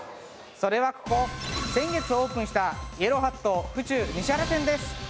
それはここ先月オープンしたイエローハット府中西原店です。